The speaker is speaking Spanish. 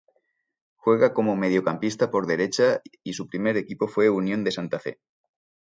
Juega como mediocampista por derecha y su primer equipo fue Unión de Santa Fe.